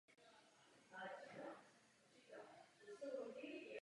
Autonomní systém je část sítě s jednotnou směrovací politikou vůči zbytku Internetu.